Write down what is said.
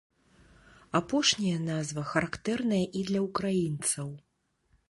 Апошняя назва характэрная і для ўкраінцаў.